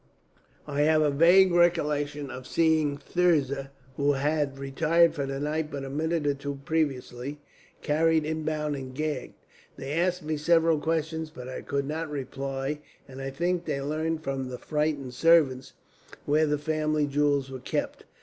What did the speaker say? I have a vague recollection of seeing Thirza, who had retired for the night but a minute or two previously, carried in bound and gagged. They asked me several questions, but I could not reply; and I think they learned from the frightened servants where the family jewels were kept.